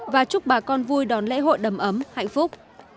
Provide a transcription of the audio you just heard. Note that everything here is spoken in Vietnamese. và chúc bà con vui đón lễ hội đầm ấm hạnh phúc